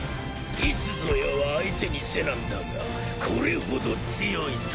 いつぞやは相手にせなんだがこれほど強いとは！